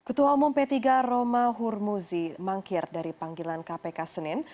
ketua umum p tiga roma hurmuzi mangkir dari panggilan kpk senin